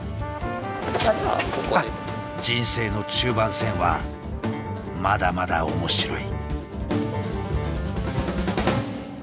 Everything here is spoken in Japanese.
人生の中盤戦はまだまだ面白い。